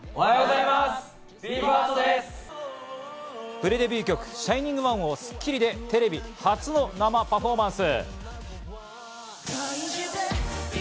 プレデビュー曲『ＳｈｉｎｉｎｇＯｎｅ』を『スッキリ』でテレビで初の生パフォーマンス。